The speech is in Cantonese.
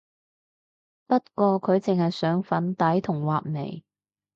不過佢淨係上粉底同畫眉